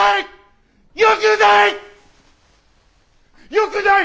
よくない！